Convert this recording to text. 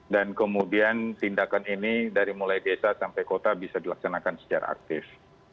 dan kemudian tindakan ini dari mulai desa sampai kota bisa dilaksanakan secara aktif